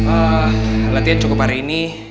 oh latihan cukup hari ini